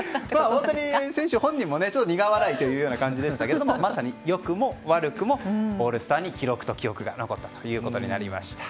大谷選手本人もちょっと苦笑いというような感じでしたけど、まさに良くも悪くもオールスターに記録と記憶が残ったということになりました。